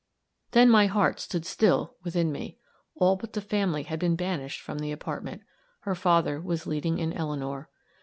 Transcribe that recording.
Then my heart stood still within me all but the family had been banished from the apartment her father was leading in Eleanor.